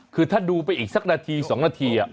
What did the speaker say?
คือถ้าดูไปอีกสักนาที๒นาที